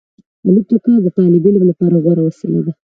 الوتکه د طالب علم لپاره غوره وسیله ده.